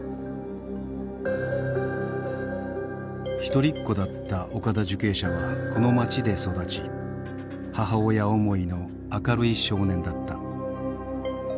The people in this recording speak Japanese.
一人っ子だった岡田受刑者はこの町で育ち母親思いの明るい少年だった。